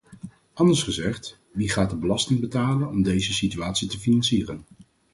Anders gezegd: wie gaat de belasting betalen om deze situatie te financieren?